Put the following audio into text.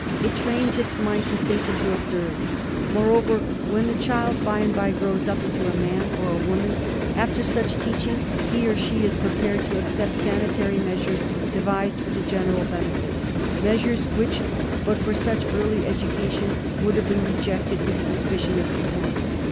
It trains its mind to think and to observe. Moreover, when the child by and by grows up into a mai> TEACHINGS OF TROPICAL HYGIENE. 229 or a woman, after such teaching he or she is prepared to accept sanitary measures devised for the general benefit, measures which but for such early education would have been rejected with suspicion or contempt.